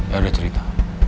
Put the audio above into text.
ya udah cerita